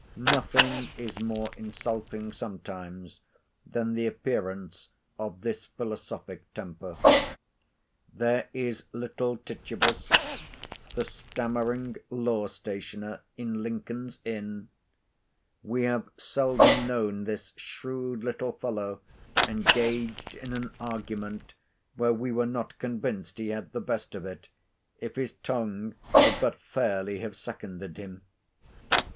Nothing is more insulting sometimes than the appearance of this philosophic temper. There is little Titubus, the stammering law stationer in Lincoln's Inn—we have seldom known this shrewd little fellow engaged in an argument where we were not convinced he had the best of it, if his tongue would but fairly have seconded him.